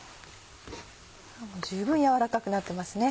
十分軟らかくなってますね。